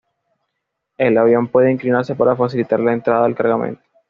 El avión puede inclinarse para facilitar la entrada del cargamento.